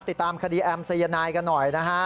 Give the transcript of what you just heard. ติดตามคดีแอมสัยนายกันหน่อยนะฮะ